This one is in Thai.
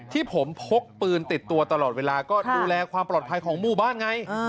ที่ผมพกปืนติดตัวตลอดเวลาก็ดูแลความปลอดภัยของหมู่บ้านไง